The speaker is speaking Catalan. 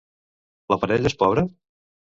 La parella és pobra?